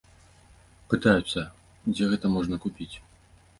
Пытаюцца, дзе гэта можна купіць.